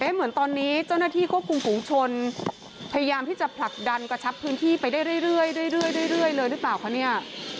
เหมือนตอนนี้เจ้าหน้าที่ควบคุมฝุงชนพยายามที่จะผลักดันกระชับพื้นที่ไปได้เรื่อยเลยหรือเปล่าคะเนี่ย